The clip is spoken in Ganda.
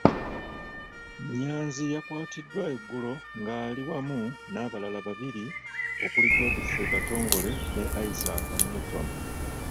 Nnyanzi yakwatiddwa eggulo nga ali wamu n'abalala babiri okuli Godfrey Katongole ne Isaac Newton.